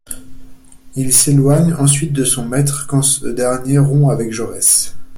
Il s’éloigne ensuite de son maître quand ce dernier rompt avec Jaurès.